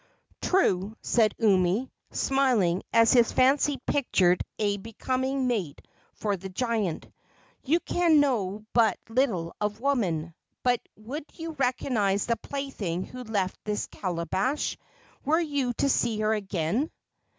"True," said Umi, smiling as his fancy pictured a becoming mate for the giant; "you can know but little of women. But would you recognize the plaything who left this calabash, were you to see her again?"